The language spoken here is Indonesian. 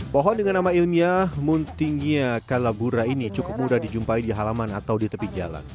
pohon dengan nama ilmiah muntingia kalabura ini cukup mudah dijumpai di halaman atau di tepi jalan